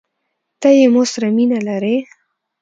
ته يې مو سره مينه لرې؟